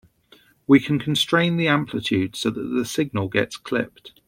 We can constrain the amplitude so that the signal gets clipped.